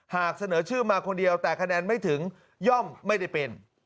หากเสนอชื่อมาคนเดียวแต่คะแนนไม่ถึงย่อมไม่ได้เป็น